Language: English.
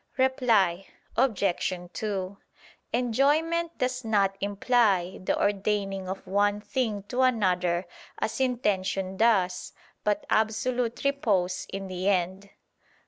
Reply Obj. 2: Enjoyment does not imply the ordaining of one thing to another, as intention does, but absolute repose in the end.